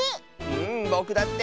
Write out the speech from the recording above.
んぼくだって！